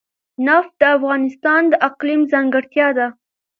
نفت د افغانستان د اقلیم ځانګړتیا ده.